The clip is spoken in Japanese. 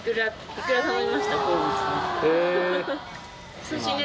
へえ！